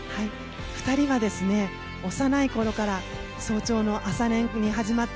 ２人は幼い頃から早朝の朝練に始まって